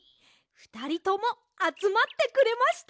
ふたりともあつまってくれました。